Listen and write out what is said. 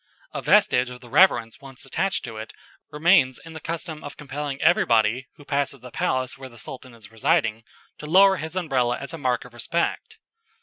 A vestige of the reverence once attached to it remains in the custom of compelling everybody who passes the palace where the Sultan is residing to lower his Umbrella as a mark of respect.